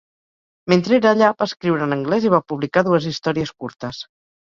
Mentre era allà, va escriure en anglès i va publicar dues històries curtes.